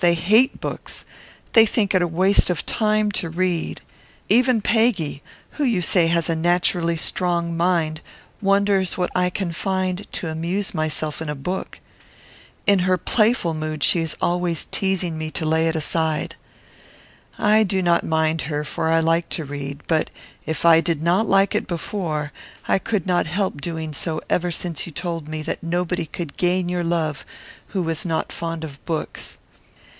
They hate books. They think it waste of time to read. Even Peggy, who you say has naturally a strong mind, wonders what I can find to amuse myself in a book. In her playful mood, she is always teasing me to lay it aside. I do not mind her, for I like to read; but, if I did not like it before, I could not help doing so ever since you told me that nobody could gain your love who was not fond of books.